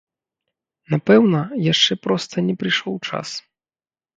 Напэўна, яшчэ проста не прыйшоў час.